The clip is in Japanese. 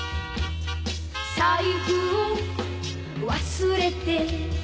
「財布を忘れて」